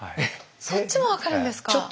そっちも分かるんですか？